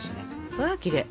うわきれい！